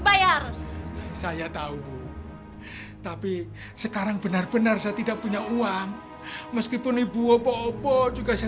bayar saya tahu bu tapi sekarang benar benar saya tidak punya uang meskipun ibu opo opo juga saya